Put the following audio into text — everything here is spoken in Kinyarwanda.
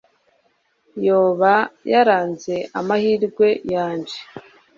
Yoba yaranse amahirwe yanje